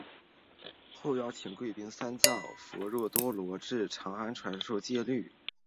后邀请罽宾三藏弗若多罗至长安传授戒律。